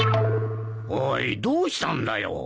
おいどうしたんだよ。